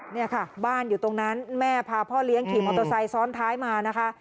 เนี่ยค่ะบ้านอยู่ตรงนั้นแม่พาพ่อเลี้ยงขี่มอเตอร์ไซค์ซ้อนท้ายมานะคะ